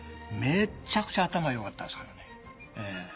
めっちゃくちゃ頭が良かったですからね。